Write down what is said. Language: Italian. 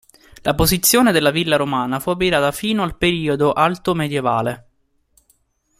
La posizione della villa romana fu abitata fino al periodo alto medievale.